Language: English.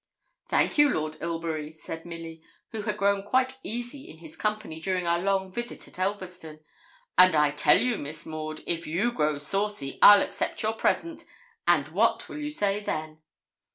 'Thank you, Lord Ilbury,' said Milly, who had grown quite easy in his company during our long visit at Elverston; 'and I tell you, Miss Maud, if you grow saucy, I'll accept your present, and what will you say then?'